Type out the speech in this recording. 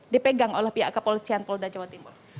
dipegang oleh pihak kepolisian polda jawa timur